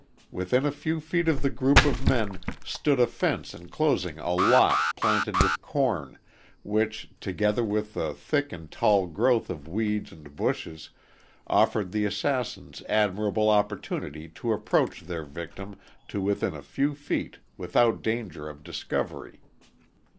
Within a few feet of the group of men stood a fence enclosing a lot planted with corn, which, together with the thick and tall growth of weeds and bushes, offered the assassins admirable opportunity to approach their victim to within a few feet without danger of discovery.